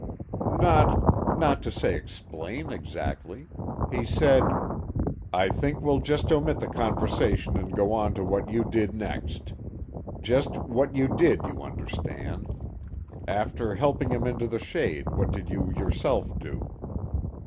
"Not not to say explain, exactly. He said " "I think we'll just omit the conversation and go on to what you did next. Just what you did, you understand. After helping him into the shade, what did you yourself do?"